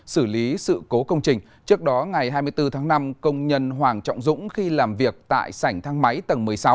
xử lý sự cố công trình trước đó ngày hai mươi bốn tháng năm công nhân hoàng trọng dũng khi làm việc tại sảnh thang máy tầng một mươi sáu